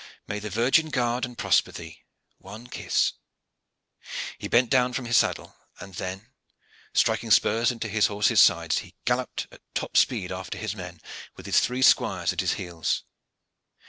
May the Virgin guard and prosper thee! One kiss!" He bent down from his saddle, and then, striking spurs into his horse's sides, he galloped at top speed after his men, with his three squires at his heels.